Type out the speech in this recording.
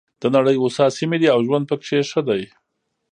د نړۍ هوسا سیمې دي او ژوند پکې ښه دی.